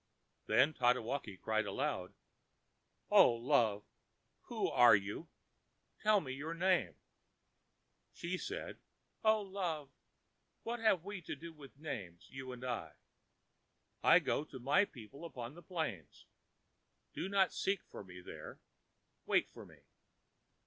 Then Tatewaki cried aloud, ãO love, who are you? Tell me your name....ã She said, ãO love, what have we to do with names, you and I?... I go to my people upon the plains. Do not seek for me there.... Wait for me.